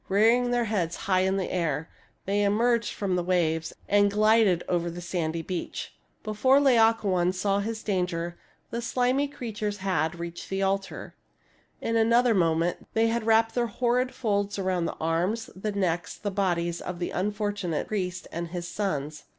Rear ing their heads high in the air, they emerged from the waves and glided over the sandy beach. Before Laocoon saw his danger, the slimy creatures had Statue of Laocoon I50 THIRTY MORE FAMOUS STORIES reached the altar. In another .moment they had wrapped their horrid folds around the arms, the necks, the bodies of the unfortunate priest and his sons.